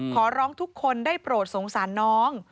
ขอร้องทุกคนได้โปรดสงสารน้อง